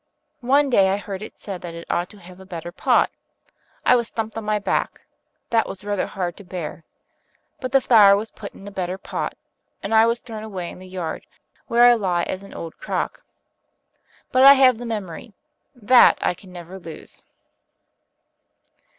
One day I heard it said that it ought to have a better pot. I was thumped on my back that was rather hard to bear; but the flower was put in a better pot and I was thrown away in the yard, where I lie as an old crock. But I have the memory: that I can never lose."